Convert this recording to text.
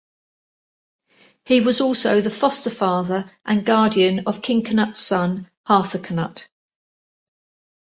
He was also the foster-father and guardian of King Cnut's son Harthacnut.